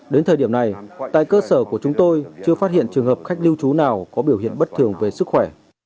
đến thời điểm này tại cơ sở của chúng tôi chưa phát hiện trường hợp khách lưu trú nào có biểu hiện bất thường về sức khỏe